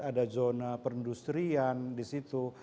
ada zona perindustrian disitu